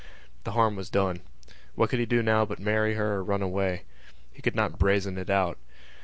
The harm was done. What could he do now but marry her or run away? He could not brazen it out.